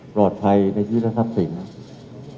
ปลอดภัยในชีวิตทรัพย์สิงห์